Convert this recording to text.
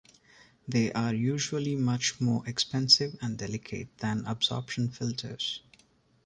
They are usually much more expensive and delicate than absorption filters.